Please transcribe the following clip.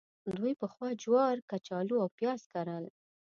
دوی پخوا جوار، کچالو او پیاز کرل.